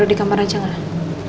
di kamar aja gak